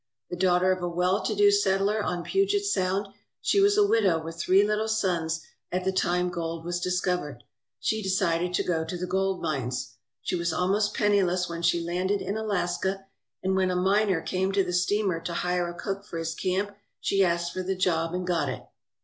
The daughter of a well to do settler on Puget Sound, she was a widow with three little sons at the time gold was discovered. She decided to go to the gold mines. She was almost penniless when she landed in Alaska, and when a miner came to the steamer to hire a cook for his camp she asked for the job and got it.